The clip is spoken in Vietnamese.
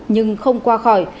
nhưng không qua khỏi